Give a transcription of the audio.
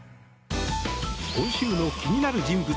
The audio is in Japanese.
今週の気になる人物